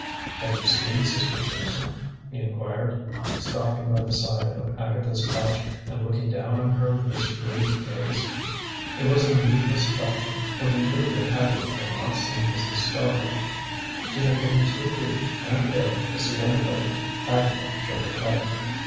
"Have you seen Sister Susan?" he inquired, stopping by the side of Agatha's couch and looking down on her with his shrewd gaze. It was a needless question, for he knew that Agatha had not seen Mrs. Stoddard. She had been too weak and ill to see anybody. Agatha shook her head.